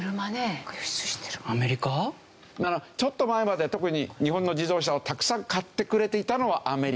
ちょっと前まで特に日本の自動車をたくさん買ってくれていたのはアメリカ。